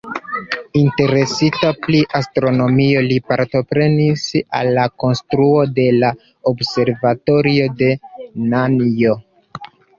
Interesita pri astronomio, li partoprenis al la konstruo de la observatorio de Nan'jo.